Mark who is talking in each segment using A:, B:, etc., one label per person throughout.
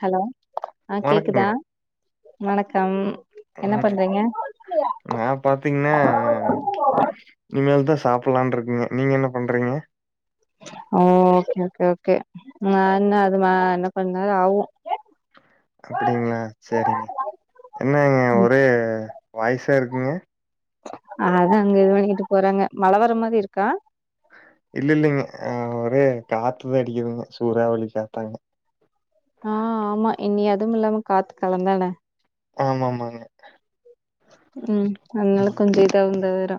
A: Hello ஆ
B: வணக்கங்க.
A: கேக்குதா வணக்கம் என்ன பண்றீங்க
B: நா பாத்தீங்கன்னா இனி மேல் தான் சாப்பிடலான்னு இருக்கங்க நீங்க என்ன பண்றீங்க
A: ஓகே ஓகே ஓகே நா என்ன அது மா என்ன பண்னாலு ஆகு
B: அப்டிங்களா சரிங்க என்னங்க ஒரே வாய்சா இருக்குங்க
A: அது அங்க இது பண்ணிட்டு போறாங்க மழை வர மாதிரி இருக்கா
B: இல்ல இல்லிங்க அ ஒரே காத்து தா அடிக்குதுங்க சூறாவளி காத் தாங்க
A: ஆ ஆமா இனி அதுவு இல்லாம காத்து காலம்ந்தான
B: ஆமா ஆமாங்க
A: ம் அதுனால
B: ம்.
A: கொஞ்சோ இதாவு தவிர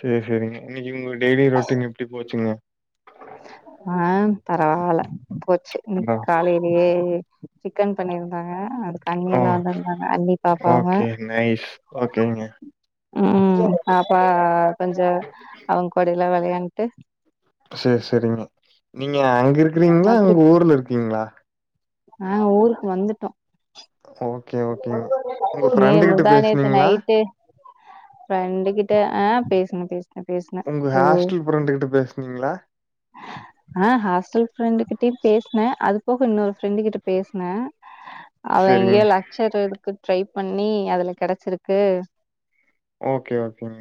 B: சேர் சேரிங்க இன்னைக்கு உங்க டெய்லி ரொட்டீன் எப்டி போச்சுங்க
A: ஆ பரவால்ல போச்சு இன்னைக்கு
B: அதா
A: காலையிலயே சிக்கன் பன்னிருந் தாங்க அதுக்கு அண்ணி
B: ஓ
A: எல்லா வந்துருந்தாங்க அண்ணி பாப்பாங்க
B: ஓகே நைஸ். ஓகேங்க.
A: ம் ம் பாப்பா கொஞ்சோ அவங் கூடைலா விளையான்ட்டு
B: சேர் செரிங்க நீங்க அங்க இருக்கிறீங்களா உங் ஊர்ல இருக்கீங்களா
A: ஆ ஊருக்கு வந்துட்டோ
B: ஓகே ஓகேங்க. உங்க
A: மே
B: ஃப்ரெண்டு கிட்ட
A: முந்தாநேத்து
B: பேசுனீங்களா?
A: நைட்டே ப்ரெண்டு கிட்ட ஆ பேசுங்க பேசு
B: உங்க ஹாஸ்டல் ஃப்ரெண்டு கிட்ட பேசுனீங்களா
A: ஆ ஹாஸ்டல் ஃப்ரெண்டு கிட்டையு பேசினே அது போக இன்னொரு ஃப்ரெண்டு கிட்ட பேசுனே
B: [inaudible]
A: அவ எங்கயோ லக்சர் இதுக்கு ட்ரை பண்ணி அதுல கிடைச்சிருக்கு
B: ஓகே ஓகேங்க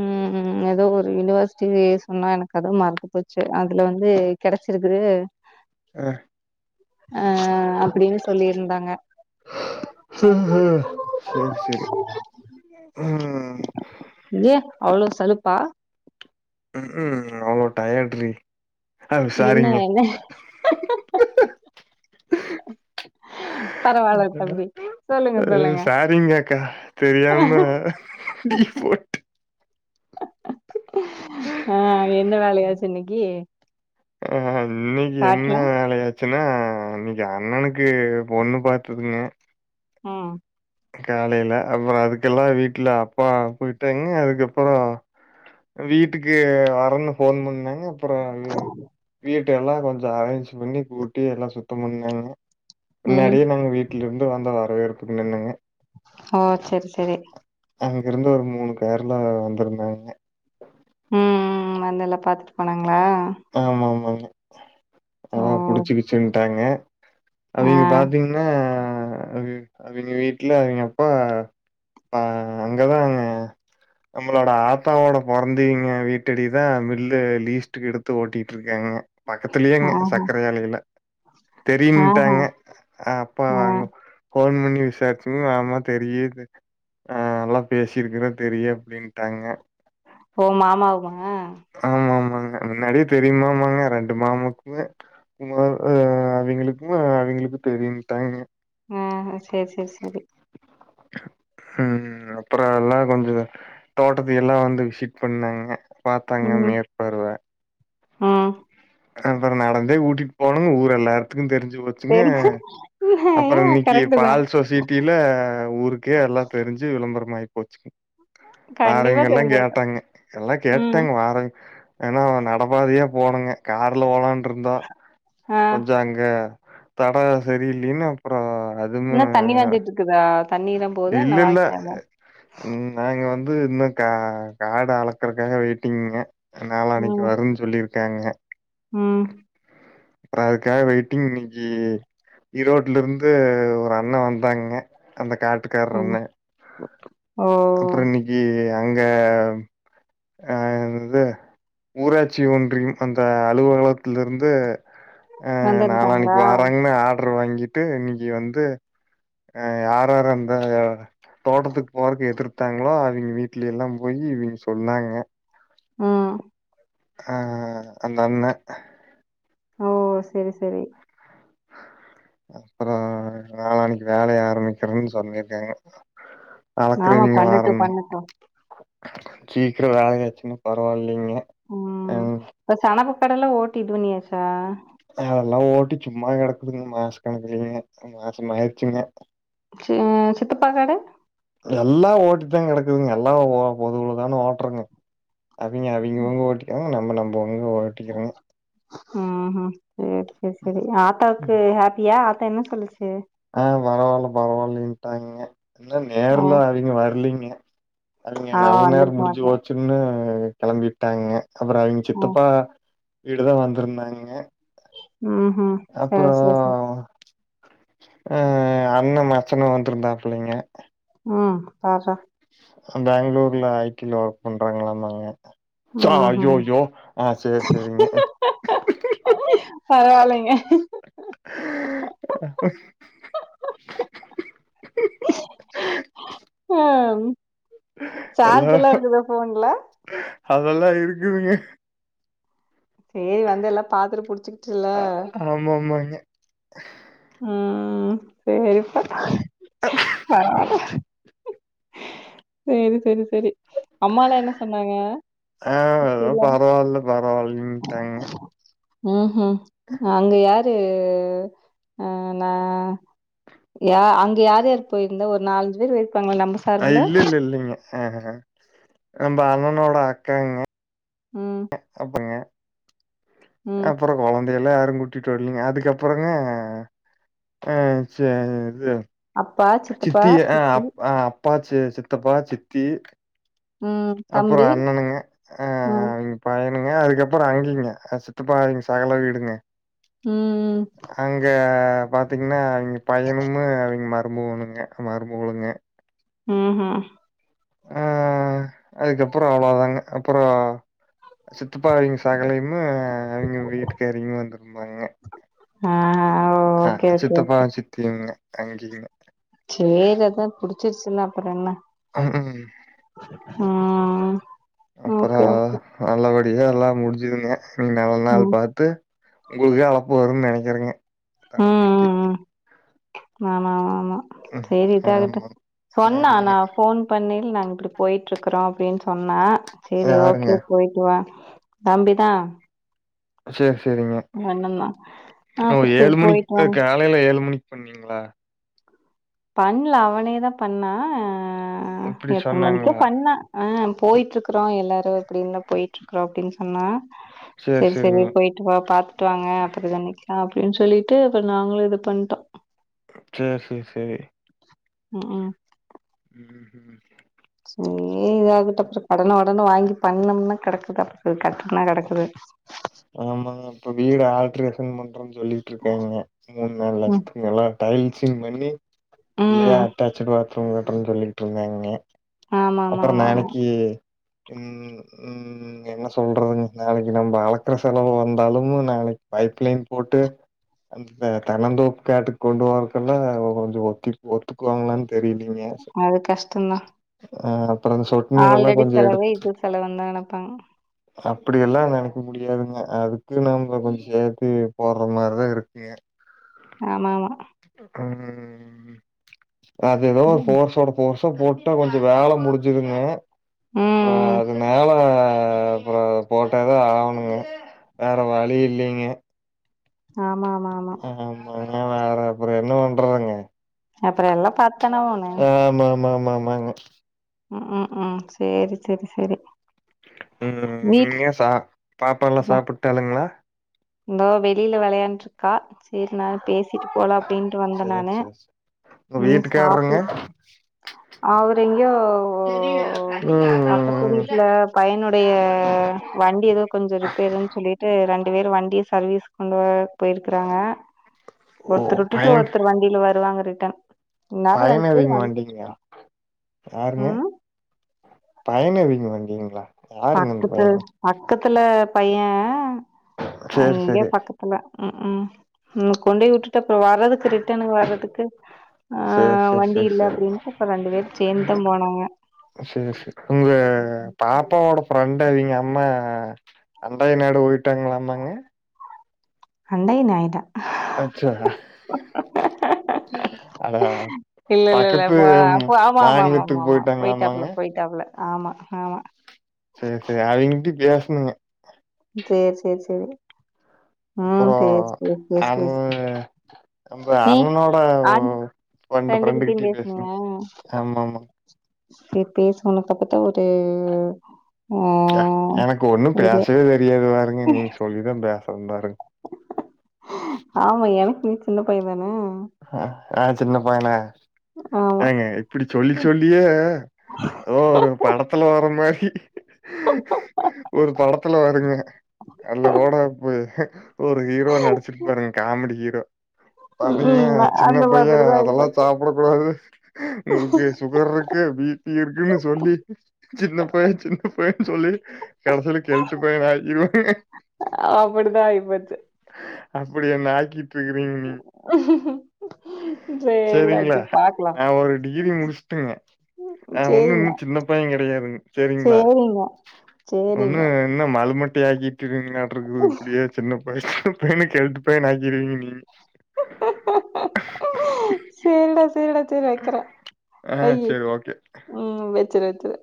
A: ம் ஏதோ ஒரு யூனிவர்சிட்டி சொன்னா எனக்கு அது மறந்து போச்சு அதுல வந்து கெடைச்சிருக்குது
B: அ
A: அ அப்டின் சொல்லிருந்தாங்க
B: அ ஹ சேரி சேரி ம்
A: ஏ அவ்ளோ சலுப்பா
B: ம் ம் அவ்ளோ டயர்ட்ரி அ
A: என்ன
B: சாரிங்க
A: என்ன ஆ
B: அ சாரிங்க அக்கா தெரியாம டி போட்ட
A: ஆ என்ன வேலயாச்சு இன்னைக்கு
B: ஆ இன்னைக்கு என்ன வேலை ஆச்சன்னா இன்னிக்கு அண்ணனுக்கு பொண்ணு பாத்துர்க்குங்க
A: ஆ
B: காலைல அப்றோ அதுக்கெல்லா வீட்ல அப்பா போயிட்டாங்க அதுக்கப்றோ வீட்டுக்கு வரன்னு போன் பண்ணாங்க அப்றோ வீட்ட எல்லா கொஞ்சோ அரேஞ்ச் பண்ணி கூட்டி எல்லா சுத்தம் பண்ணாங்க
A: ம்
B: முன்னாடியே நாங்க வீட் ட்ல இருந்து வந்தாங் வரவேற்ப்புக்கு நின்னாங்க
A: ஆ சேரி சேரி
B: அங்ககு இருந்து ஒரு மூணு பேர்ல வந்திருந்தாங்க
A: ம் ம் ம் வந்து எல்லா பாத்துட்டு போனாங்ளா
B: ஆமா ஆமாங்க அதா புடிச்சுகிச்சுன்ட்டாங்க
A: ஆ
B: அவிங்க பாத்தீங்ன்னா அவி அவிங்க வீட்ல அவிங்க அப்பா ஆ அங்கதாங்க நம்மளோட ஆத்தாவோட பொறந்தீங்க வீட்டடிதா மில்லு லீஸ்ட்டுக்கு எடு த்து ஓட்டிட்ருக்காங்க பக்கத்துலயேங்க
A: ஆஹா
B: சக்கர ஆலயில
A: ஆஹா
B: தெரியின்ட்டாங்க அப்பா
A: ஆ
B: வாங்க ஃபோன் பண்ணி விசாரிச்சோன் ஆமா தெரியுது ஆ நல்லா பேசியிருக்கிறோ தெரியு அப்டின்ட்டாங்க
A: ஓ மாமாவுமா
B: ஆமா ஆமாங்க முன்னாடியே தெரியுமாமாங்க ரெண்டு மாமுக்குமே ம ஆ அவிங்களுக்குமே அவிங்களுக்கு தெரியுன்ட்டாய்ங்க
A: ம் சேரி சேரி சேரி
B: ம் அப்பறோ எல்லா கொஞ்சோ தோட்டத்து எல்லா வந்து விசிட் பண்ணாங்க பாத்தாங்க
A: ம்
B: மேற்பார்வ
A: ம்
B: அப்பறோ நடந்தே ஊட்டிட் போனுங் ஊர் எல்லாருத்துக்கு தெரிஞ்சி போச் சிங்க
A: தெரி ஏ
B: அப்பறோ இன்னிக்கி
A: கரெக்ட்டு தா
B: பால் சொசிட்டில ஊருக்கே எல்லா தெரிஞ்சு விளம்பரமாயி போச்சுங்க
A: கண்டிப்பா
B: வாரவெய்ங்கல்லா
A: தெரிஞ்சிருக்கு
B: கேட்டாங்க எல்லா
A: ம்
B: கேட்டாங்க வார ஏனா அவ நடபாதயா போனோங்க கார்ல போலான்ருந்தா
A: ஆ
B: கொஞ்சோ அங்க தடோ செரியில்லேன்னா
A: இன்னு தண்ணி வந்துட்ருக்குதா தண்ணீரம்
B: இல்ல இல்ல ம் நாங்க வந்து இன்னு கா காடு அளக்கறக்காக வெயிட்டிங்க நாளான்னிக்கு
A: ம்
B: வருன் சொல்லிருக்காங்க
A: ம்
B: அதுக்காக வெய்ட்டிங் இன்னிக்கி ஈரோட்ல இருந்து ஒரு அண்ண வந்தாங்க அந்த காட்டு
A: ஆமா
B: அப்புறோ இன்னிக்கி அங்க ஆ என்னது ஊராட்சி ஒன்றியும் அந்த அலுவலகத்லருந்து ஆ நாளானிக்கு
A: வந்திருந்தாங்களா
B: வாராங்கன்னு ஆர்டரு வாங்கிட்டு இன்னிக்கு வந்து அ யார் யார் வந்த [unintelligible] தோட்டத்துக்கு போறக்கு எதிர்த்தாங்களோ அவிங்க வீட்லேலா போயி இவிங்க சொன்னாங்க
A: ம்
B: ஆ அந்த அண்ண
A: ஓ செரி செரி
B: அப்பறோ நாளானிக்கி வேலய ஆரம்பிக்கிறோன் சொல்லிருக்காங்க
A: ஆமா.
B: அளக்கிரவியங்க
A: பண்ணட்டும்,
B: வாறனுமாம
A: பண்ணட்டும்.
B: சீக்கிரோ வேலயாச்சுன்னு பரவாயில்லிங்க அ
A: ம். இப்ப சணப்புக்காடெல்லா ஓட்டி இதுபண்னியாச்சா
B: அதெல்லா ஓட்டி சும்மா கெடக்குதுங்க மாச கணக்குலிங்க [inaudible] மாச மாயிருச்சிங்க
A: சே சித்தப்பா கட
B: எல்லா ஓட்டி தா கிடக்குதுங்க எல்லா பொதுவுலதான ஓட்டுருங்க அவிங்க அவிங்கவுங்க ஓட்டிக்கிறாங்க நம்ம நம்மவங்க ஓட்டிக்கிறாங்க
A: ம்ஹு செரி செரி சரி ஆத்தாவுக்கு
B: ம்
A: ஹாப்பியா ஆத்தா என்ன சொல்லுச்சு
B: ஆ பரவாயில்ல பரவாயில்லன்ட்டாங்க என்ன
A: அ.
B: நேர்ல அவிங்க வரலீங்க அவிங்க
A: அவ
B: நல்ல நேரம்
A: வந்திருக்க
B: முடிஞ்சு
A: மாட்டேன்.
B: போச்சு சின்னு கிளம்பி விட்டாங்க அப்புற அவங்க
A: ம்.
B: சித்தப்பா வீடுதா வந்திருந்தாங்கங்க
A: ம்ஹும்
B: அப்பறோ அ அண்ண மச்சன வந்திருந்தாப்லைங்க
A: ஆ பாரா
B: பெங்களூர்ல ஐ டில ஒர்க் பண்றாங்களாமாங்க சா
A: ம்ஹ்ம்.
B: ஐயயோ ஆ சேரி சேரிங்க
A: பரவாயில்லைங்க
B: ஆ
A: ஆம்
B: அதெல்லா
A: சார்ஜ் எல்லா இருக்குதா ஃபோன்ல
B: அதெல்லா இருக்கிதுங்க
A: சேரி வந்து எல்லா பாத்துட்டு புடிச்சிட்
B: ஆமா ஆமாங்க
A: ம் சேரிப்ப
B: அ
A: சேரி செரி செரி அம்மால என்ன சொன்னாங்க
B: ஆ ஏதோ
A: சித்திலா
B: பரவால்ல பரவாயில்லன்ட்டாங்க
A: ம்ஹு அங்க யாரு அ நா யா அங்க யார் யார் போயிருந்தா ஒரு நாலஞ்சு பேர் போயிருப்பாங்கள நம்ம
B: அ
A: சார்புல?
B: இல்ல இல்ல இல்லைங்க அ நம்ம அண்ணனோட அக்காங்க
A: ம்
B: அப்பங்க
A: ம்
B: அப்புற குழந்தையல்லா யாரும் கூட்டிட்டு வரலீங்க அதுக்கப்புறங்க ஆ ச இது
A: அப்பா, சித்தப்பா,
B: சித்தி ஆ அப் ப்பாச்சி சித்தப்பா சித்தி
A: ம்.
B: அப்புற
A: தம்பி.
B: அண்ணனுங்க
A: ம்,
B: ஆங் பையனுங்க அதுக்கப்புற அங்கிங்க அ சித்தப்பா எங்க சகல வீடுங்க
A: ம் ம்
B: அங்க பாத்திங்கன்னா அவிங்க பையனும் அவிங்க மருமவணுங்க மருமவளுங்க
A: ம் ஹ
B: ஆ அதுக்கப்புற அவ்வளோ தாங்க அப்புறோ சித்துப்பா அவிங்க சகலுயும் அவிங்க வீட்டுக்காரவிங்க வந்துருந்தாங்க
A: ஆஹ
B: ஆ சித்தப்பா சித்திங்க தங்கிங்க
A: சேர் அதா புடிச்சிருச்சுல்ல அப்புற என்ன
B: ம்.
A: ஆ
B: அப்புற நல்லபடியே எல்லா முடிஞ்சுதுங்க இனி நல்ல நாள்
A: ம்.
B: பாத்து உங்களுக்கே அழப்பு வரும் நினைக்கிறங்க
A: ம்,
B: தடமொழிக்கு
A: ம், ம். ஆமா ஆமா ஆமா
B: ம்
A: சேரி இதாகட்டும்
B: ஆமா
A: சொன்னா
B: ஆமாங்க
A: நான் போன் பண்ணில் நாங்கள் இப்டி போய்ட்டுருக்கறோம் அப்டின்னு சொன்னா சேரி ஓகே
B: யாருங்க
A: போய்ட்டு வா தம்பிதான்
B: சேர் சேரிங்க
A: வந்தரலா அப்ப சேரி போய்ட்டு வாங்
B: காலைல ஏலு மணிக் பண்ணீங்களா
A: பண்ல அவனே தா பண்ணா
B: இப்டி
A: எத்தன மணிக்கோ
B: சொன்னாங்களா?
A: பண்ணா ஆ போய்ட்ருக்குறோ எல்லாரு இப்டின்ந்தா போய்ட்ருக்குறோ அப்டின் சொன்னா
B: சேரி
A: செரி செரி
B: சேரிங்க.
A: போய்ட் டு வா பாத்துட்டு வாங்க அப்பற இத நிக்லா அப்டின் சொல்லிட்டு அப்ப நாங்களு இது பண்ட்டோ
B: சேர் சேர் செரி
A: ம் ம்
B: ம் ம்
A: சேர் இத ஆகுட் டப் டிப் கடன உடன வாங்கி பண்ணம்னா கடக்குது அப் போய் கட்டுன்னா கடக்குது
B: ஆமாங்க இப்ப வீடு ஆல்ட்ரேஷன் பண்றன் சொல்லிட்டு இருக்காங்க மூண் நாள் ல
A: ம்.
B: எல்லா டைல்ஸிங் பண்ணி உள்ளயே
A: ம்.
B: அட்டாச்ட் பாத் ரூம் கட்ணு சொல்லிட்டு இருந்தாங்க அப்பறம்
A: ஆமாமாமாமா.
B: நாளைக்கி ம் ம் ம்ம் என்ன சொல்றதுங் நாளைக்கு நம்ப அல க்கற செலவு வந்தாலும் நாளைக் பைப் லைன் போட்டு அந்த தென் தெனந்தோப்பு காட்டுக் கொண்டு வரக்குல்ல கொஞ்சோ ஒத்தி ஒத்துக்குவாங்ளான் தெரிலீங்க
A: அது கஷ்டம்தான்.
B: ஆ அப்பறம் சொட்டு நீரல்லா கொஞ்சோ எ
A: பூவே பூச் சொல்ல வந்தானப்பா
B: அப்டியெல்லா நெனைக்கு முடியாதுங்க அதுக்கு நம்போ கொஞ்சோ சேத்து போட்ற மாரிதா இருக்குங்க
A: ஆமாமா
B: அ அ அ அது ஏதோ ஒரு
A: ம்.
B: ஃபோர்ஸோட போர்ஷா போட் டா கொஞ்சோ வேல முடிஞ்சுதுங்க அப்பறோ
A: ம்.
B: அது மேல அப்பறோ போட்டதா ஆவ்ணுங்க வேற வழி இல்லேங்க
A: ஆமா ஆமா ஆம்
B: ஆமா இல்ன்னா வேற அப்பறோ என்ன பண்றாங்க
A: அப்புறம் எல்லாம் பாத்துதானே ஆவணும்.
B: ஆ ஆமா ஆமா ஆமா ஆமாங்க
A: ம் ம் ம் சேரி செரி செரி
B: ம் ம் நீங்க சா பாப்பால்லா
A: இந்தா
B: சாப்புட்டாளுங்ளா
A: இந்தோ வெளில வெளயாண்ட்ருக்கா சேரி நா பேசிட்டு போல அப்டின்ட்டு வந்த
B: சேரி
A: நானு
B: சேரி சேரி உங்க
A: இன்னும்
B: வீட்டுக்கார்றங்க
A: சாப்பிடல. அவரு எங்யோ பக்கத்து
B: ம்
A: வீட்ல பையனுடைய வண்டி ஏதோ கொஞ்சோ ரிப்பேருன் சொல்லி ட்டு ரெண்டு பேரு வண்டிய சர்வீஸ் கொண்டு போ போய்ருக்கறாங்க
B: ஓ
A: ஒத்ரு விட்டுட்டு
B: பையன்
A: ஒத்ரு வண்டில வருவாங்க ரிட்டன் இந்நேரோ ரெண்டு பேரு
B: பயனவிங்க
A: வந்துகிட்டு
B: வண்டிங்கலா
A: இருப்போ
B: யாருங்க
A: ம்
B: பயணவிங்க வண்டிங்ளா
A: பக்கத்ல பக்கத்துல பைய
B: சேரி
A: அங்கே
B: சேரி
A: பக்கத் துல ம் ம் ம் இவர் கொண்டு விட்டுட்டு அப்போ வர்றதுக்கு ரிட்டனு வர்றதுக்கு ஆ
B: சேரி சேரி
A: வண்டி
B: சேரி
A: இல்ல
B: சேரி
A: அப்டீன்ட்டு இப்ப ரெண்டு பேர் சேந்தா போனாங்க
B: சேரி உங்க பாப்பாவோட ஃப்ரெண்டவிங்க அம்மா அண்டய நாடு விட்டங்க வந்தாங்க
A: அண்டய நாய் தா
B: தேங்க்யூ அக்கா அதா
A: இல்ல இல்ல இல்ல
B: பக்கத்து
A: போனா அப்போ
B: மாநிலத்துக்கு போய்ட்டாங்களாமாங்க
A: தெர்ல ஆமா ஆமா
B: செரி செரி அவங்கிட்டயோ பேசணும்ங்க
A: செரி செரி செரி ம்
B: அப்புறோ
A: பேசு பேசு
B: அவ
A: பேசு
B: நம்ப
A: நீ
B: அண்ணனோட
A: ஆண்
B: ஃப்ரெண்ட் ஃப்ரெண்டு
A: ரெண்டு கிட்டையு
B: ஃப்ரெண்டுகிட்டயு பேசணு
A: பேசினியா
B: ஆமா ஆமா
A: செரி பேஸ்லனா தப்பத்தா ஒரு ஆ
B: எ எனக்கு ஒண்ணும்
A: இது
B: பேசவே தெரியாது பாருங்க நீங்க சொல்லிதா பேசறே பாருங்க
A: ஆமா எனக்கு நீ சின்ன பைய தானே
B: ஹ நா சின்ன பையனா
A: ஆமா
B: இப்புடி சொல்லி சொல்லியே ஏதோ ஒரு படத்துல வர மாரி ஒரு படத்துல வருங்க அது கூட அப்பு ஒரு ஹீரோ நடிச்சுருப்பாருங்க காமடி ஹீரோ என்ன
A: ம்
B: சின்ன
A: அந்த
B: பைய
A: மாதிரிதா
B: அதெல்லா
A: ஆயிப்போச்சு
B: சாப்புட கூடாது உங்குளுக்கு சுகர் இருக்கு பி பி இருக்குன்னு சொல்லி சின்ன பையன் சின்ன பையனு சொல்லி கடைசில கெள்ட்டு பையனாக்கிடுவாய்ங்க
A: அப்படிதா ஆயிப்போச்சு
B: அப்படியென்ன ஆக்கிட்டு இருக்குறீங்க நீங்
A: உ
B: செரிங்களா நா ஒரு டிகிரி முடிச்சுட்டுங்க அ ஒண்ணு
A: சேரிங்க
B: இன்னோ சின்ன பைய கெடையாதுங்க செரிங்களா
A: செரிங்க
B: இன்னோ மலமட்டையாக்கிட்டு இருங்கீங்கலாட்ருக்குது இப்புடியே சின்ன பைய சின்ன பையனு கெழுட்டு பையன் ஆக்கிடுவீங்க நீங்க
A: செரிடா செரிடா செரி வெக்கறே
B: ஆ
A: வெய்யு
B: சரி ஓகே.
A: ம் வெச்சிரு வெச்சிரு